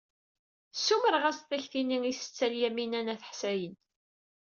Ssumreɣ-as-d takti-nni i Setti Lyamina n At Ḥsayen.